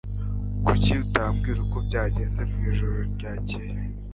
Kuki utambwira uko byagenze mwijoro ryakeye